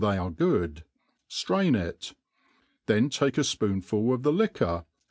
they are good,, ftrain it ; then take a fpoonful of th^ liquor, a.